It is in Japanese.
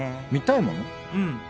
うん。